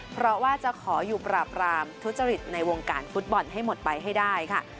เพราะว่าจะขออยู่ปราบรามทุจริตในวงการฟุตบอลให้หมดไปให้ได้ค่ะ